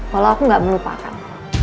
walaupun aku gak melupakan